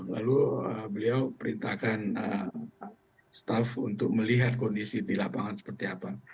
lalu beliau perintahkan staff untuk melihat kondisi di lapangan seperti apa